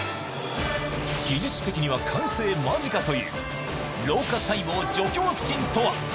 技術的には完成間近という、老化細胞除去ワクチンとは。